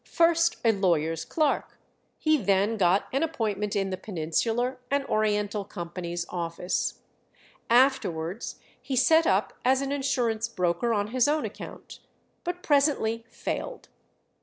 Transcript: First a lawyer's clerk, he then got an appointment in the Peninsular and Oriental Company's office; afterwards he set up as an insurance broker on his own account, but presently failed.